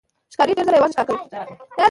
ښکاري ډېر ځله یوازې ښکار کوي.